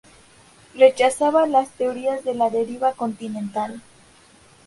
Rechazaba las teorías de la deriva continental.